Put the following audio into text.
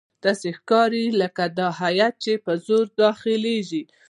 داسې ښکاري لکه دا هیات چې په زور داخليږي.